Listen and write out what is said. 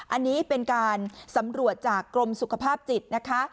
อันนี้เป็นการสำรวจจากกรมสุขภาพจิตนะคะ